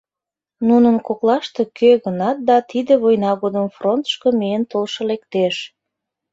Нунын коклаште кӧ-гынат да тиде война годым фронтышко миен толшо лектеш.